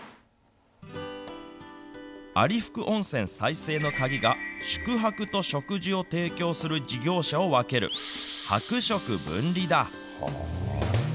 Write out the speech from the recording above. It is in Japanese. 有福温泉再生の鍵が、宿泊と食事を提供する事業者を分ける、泊食分離だ。